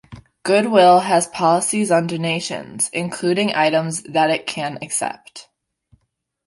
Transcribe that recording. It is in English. Goodwill has policies on donations, including items that it can accept.